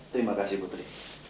terima kasih putri